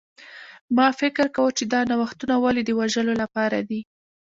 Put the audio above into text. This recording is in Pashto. ما فکر کاوه چې دا نوښتونه ولې د وژلو لپاره دي